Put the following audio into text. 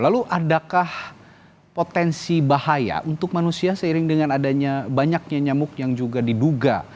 lalu adakah potensi bahaya untuk manusia seiring dengan adanya banyaknya nyamuk yang juga diduga